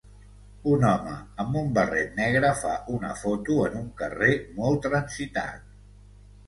Un home amb un barret negre fa una foto en un carrer molt transitat.